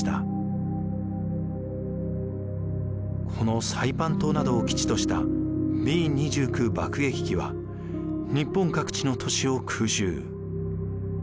このサイパン島などを基地としたＢ２９爆撃機は日本各地の都市を空襲。